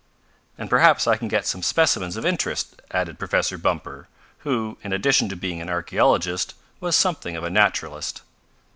"And perhaps I can get some specimens of interest," added Professor Bumper, who, in addition to being an archaeologist, was something of a naturalist.